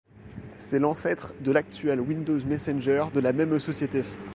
C'est l'ancêtre de l'actuel Windows Messenger de la même société.